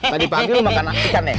tadi pagi lu makan ikan ya